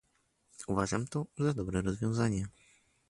Uważamy to za dobre rozwiązanie